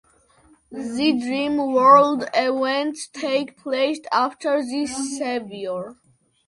The Dream World events take place after "The Savior".